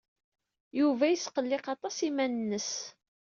Yuba yesqelliq aṭas iman-nnes.